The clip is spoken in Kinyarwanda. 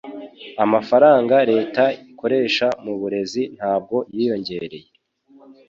Amafaranga leta ikoresha mu burezi ntabwo yiyongereye